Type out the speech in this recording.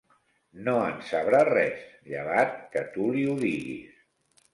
No en sabrà res, llevat que tu li ho diguis.